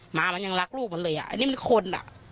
หมามันยังรักลูกมันเลยอ่ะอันนี้มันคนอ่ะ